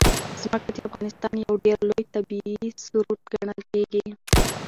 ځمکه د افغانستان یو ډېر لوی طبعي ثروت ګڼل کېږي.